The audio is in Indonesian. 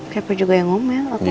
siapa juga yang ngomel